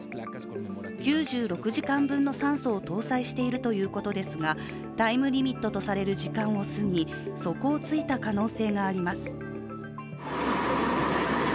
９６時間分の酸素を搭載しているということですが、タイムリミットとされる時間を過ぎ、底をついた可能性があります。